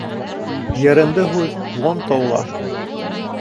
— Йырынды һуҙ, Вон-толла.